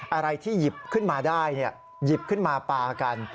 อะไรที่หยิบขึ้นมาได้หยิบขึ้นมาปลากัน